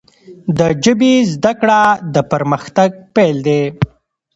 د ژبي زده کړه، د پرمختګ پیل دی.